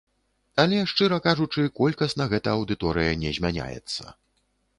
Але, шчыра кажучы, колькасна гэта аўдыторыя не змяняецца.